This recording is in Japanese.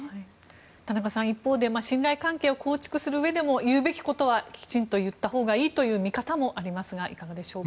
田中さん、一方で信頼関係を構築するうえでも言うべきことはきちんと言ったほうがいいとそういう見方もありますがいかがでしょうか？